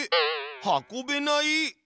運べない。